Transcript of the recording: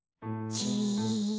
じ。